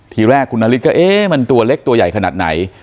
ทีแรกคุณนาริสก็เอ๊ะมันตัวเล็กตัวใหญ่ขนาดไหน